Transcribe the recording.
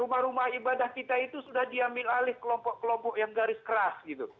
rumah rumah ibadah kita itu sudah diambil alih kelompok kelompok yang garis keras gitu